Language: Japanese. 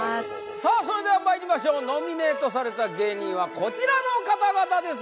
さあそれではまいりましょうノミネートされた芸人はこちらの方々です